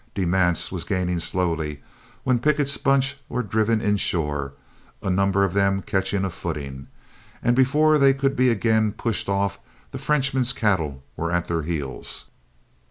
De Manse was gaining slowly, when Pickett's bunch were driven inshore, a number of them catching a footing, and before they could be again pushed off, the Frenchman's cattle were at their heels.